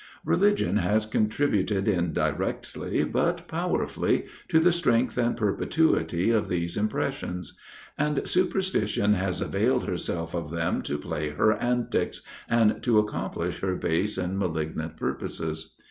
Religion has contributed indirectly, but powerfully, to the strength and perpetuity of these impressions; and superstition has availed herself of them to play her antics, and to accomplish her base and malignant purposes.